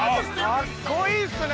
かっこいいっすね。